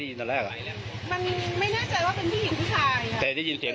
แล้วพี่สาวเขาออกมานางได้ยินเสียง